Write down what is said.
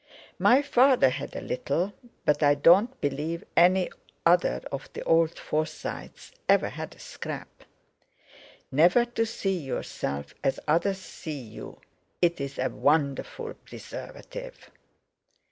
My father had a little, but I don't believe any other of the old Forsytes ever had a scrap. Never to see yourself as others see you, it's a wonderful preservative.